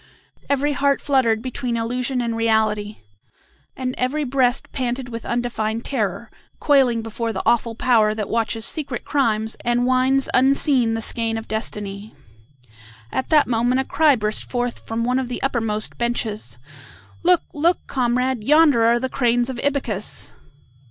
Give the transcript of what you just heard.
Every heart fluttered between illusion and reality, and every breast panted with undefined terror, quailing before the awful power that watches secret crimes and winds unseen the skein of destiny. At that moment a cry burst forth from one of the uppermost benches "Look! look! comrade, yonder are the cranes of Ibycus!"